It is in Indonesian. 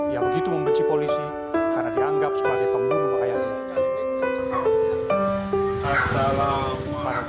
ia begitu membenci polisi karena dianggap sebagai pembunuh ayahnya